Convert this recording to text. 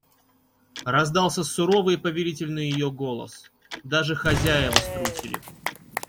Раздался суровый и повелительный ее голос; даже хозяева струсили.